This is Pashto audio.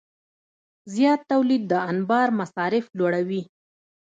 زیات تولید د انبار مصارف لوړوي.